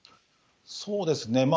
そうですね。